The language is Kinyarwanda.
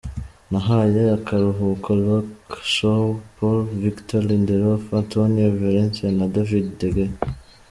Nahaye akaruhuko Luke Shaw, Paul, Victor Lindelof, Antonio Valencia na David de Gea.